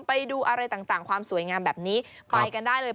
ไปดูอะไรต่างความสวยงามแบบนี้ไปกันได้เลย